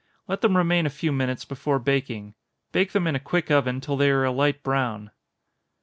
Let them remain a few minutes before baking. Bake them in a quick oven till they are a light brown.